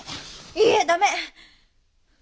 いいえ駄目！